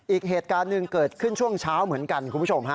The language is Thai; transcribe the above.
อีกเหตุการณ์หนึ่งเกิดขึ้นช่วงเช้าเหมือนกันคุณผู้ชมฮะ